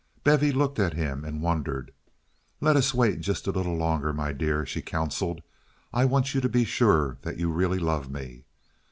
Bevy looked at him and wondered. "Let us wait just a little longer, my dear," she counseled. "I want you to be sure that you really love me.